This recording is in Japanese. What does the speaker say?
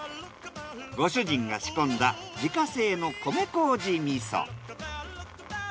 ご主人が仕込んだ自家製の米麹味噌。